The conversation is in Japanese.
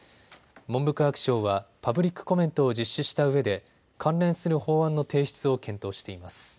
文部科学省はパブリックコメントを実施したうえで関連する法案の提出を検討しています。